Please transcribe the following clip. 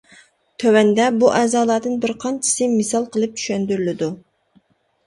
تۆۋەندە بۇ ئەزالاردىن بىر قانچىسى مىسال قىلىپ چۈشەندۈرۈلىدۇ.